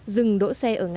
dừng đỗ xe ở ngã bốn